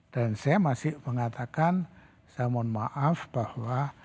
dan saya masih mengatakan saya mohon maaf bahwa